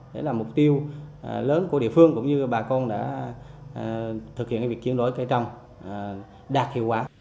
đó là mục tiêu lớn của địa phương cũng như bà con đã thực hiện việc chiến đối cây trồng đạt hiệu quả